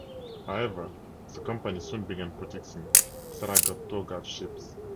However, the company soon began producing Saratoga Chips.